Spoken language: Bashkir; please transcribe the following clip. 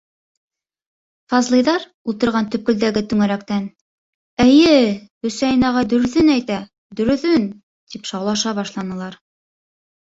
Фазлыйҙар ултырған төпкөлдәге түңәрәктән: - Эйе, Хөсәйен ағай дөрөҫөн әйтә, дөрөҫөн, - тип шаулаша башланылар.